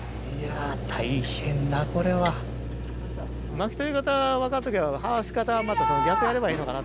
巻き取り方は分かったけど外し方またその逆やればいいのかな。